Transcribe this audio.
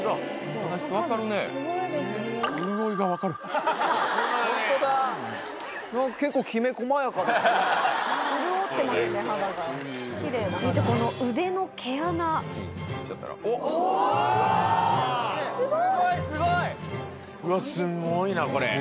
うわすっごいなこれ。